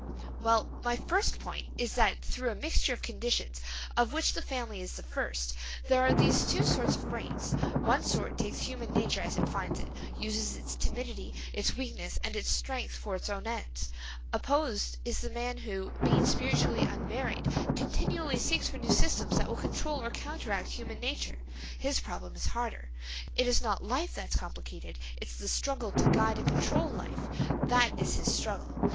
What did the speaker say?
"Well, my first point is that through a mixture of conditions of which the family is the first, there are these two sorts of brains. One sort takes human nature as it finds it, uses its timidity, its weakness, and its strength for its own ends. Opposed is the man who, being spiritually unmarried, continually seeks for new systems that will control or counteract human nature. His problem is harder. It is not life that's complicated, it's the struggle to guide and control life. That is his struggle.